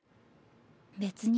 別に。